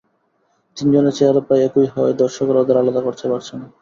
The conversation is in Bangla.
তিনজনের চেহারা প্রায় একই হওয়ায় দর্শকেরা ওদের আলাদা করতে পারছে না।